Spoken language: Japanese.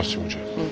うん。